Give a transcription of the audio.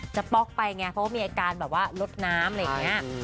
จะป๊อกไปไงเพราะว่ามีอาการแบบว่าเริดน้ำอะไรแบบนี้